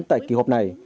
tại kỳ họp này